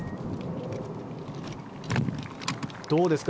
どうですか？